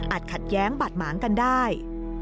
อาจขัดแย้งบัตรหมางกันได้